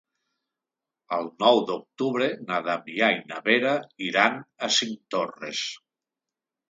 El nou d'octubre na Damià i na Vera iran a Cinctorres.